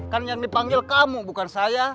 kan yang dipanggil kamu bukan saya